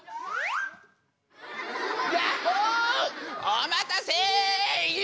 お待たせ！